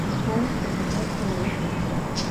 ښایست له فطرت سره وصل دی